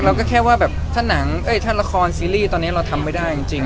เราก็แค่ว่าแบบถ้าหนังถ้าละครซีรีส์ตอนนี้เราทำไม่ได้จริง